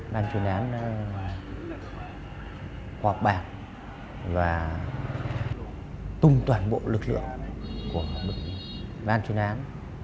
ban chuyên án đã hoạt bản và tung toàn bộ lực lượng của ban chuyên án